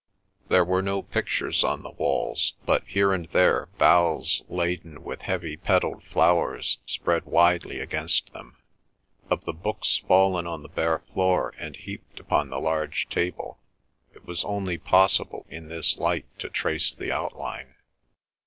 There were no pictures on the walls but here and there boughs laden with heavy petalled flowers spread widely against them. Of the books fallen on the bare floor and heaped upon the large table, it was only possible in this light to trace the outline.